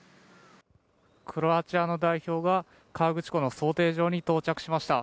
クロアチアの代表が河口湖の漕艇場に到着しました。